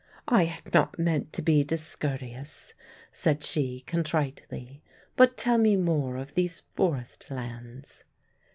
'" "I had not meant to be discourteous," said she contritely; "but tell me more of these forest lands."